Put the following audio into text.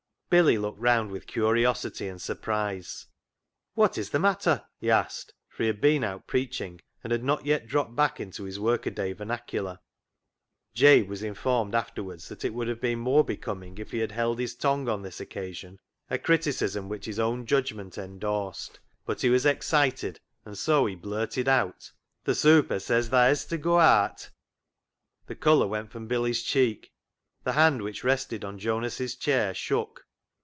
Billy looked round with curiosity and surprise. " What is the matter ?" he asked ; for he had been out preaching, and had not yet dropped back into his work a day vernacular. Jabe was informed afterwards that it would have been more becoming if he had held his tongue on this occasion, a criticism which his BILLY BOTCH 49 own judgment endorsed, but he was excited, and so he blurted out —" Th' * super ' says tha hes to goa aat." The colour went from Billy's cheek. The hand which rested on Jonas' chair shook.